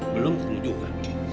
belum ketemu juga